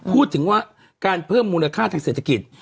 พูดถึงว่าการเพิ่มมูลค่าทางเศรษฐกิจ